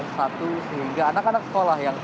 sehingga anak anak sekolah yang tadi